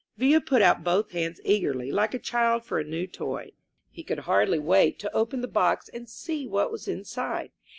Villa put put both hands eagerly, like a child for a new toy. He could hardly wait to open the box and see what was inside.